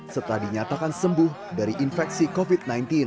setelah dinyatakan sembuh dari infeksi covid sembilan belas